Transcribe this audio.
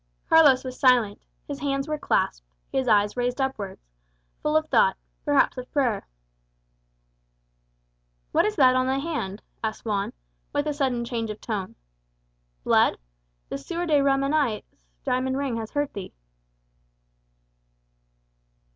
Carlos was silent; his hands were clasped, his eyes raised upwards, full of thought, perhaps of prayer. "What is that on thy hand?" asked Juan, with a sudden change of tone. "Blood? The Sieur de Ramenais' diamond ring has hurt thee."